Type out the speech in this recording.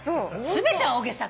全ては大げさか。